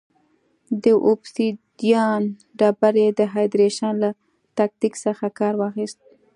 د اوبسیدیان ډبرې د هایدرېشن له تکتیک څخه کار واخیست.